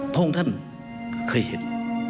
พวกท่านเคยเห็น